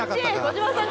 児嶋さん